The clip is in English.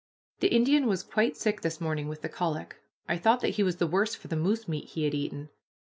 The Indian was quite sick this morning with the colic. I thought that he was the worse for the moose meat he had eaten.